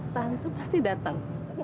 tante pasti dateng